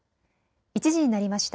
１時になりました。